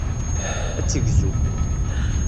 Ad tegzu.